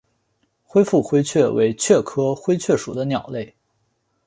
灰腹灰雀为雀科灰雀属的鸟类。